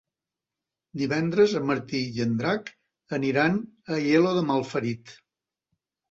Divendres en Martí i en Drac aniran a Aielo de Malferit.